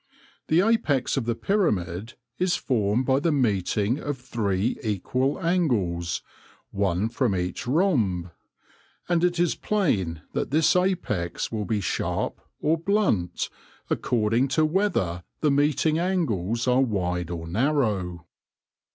The apex of the pyramid is formed by the meeting of three equal angles, one from each rhomb ; and it is plain that this apex will be sharp or blunt, according to whether the meeting angles are wide or narrow.